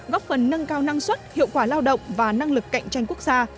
góp phần nâng cao năng suất hiệu quả lao động và năng lực cạnh tranh quốc gia